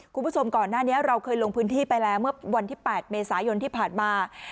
คุณผู้ชมก่อนหน้านี้เราเคยลงพื้นที่ไปแล้วเมื่อวันที่๘เมษายนที่ผ่านมา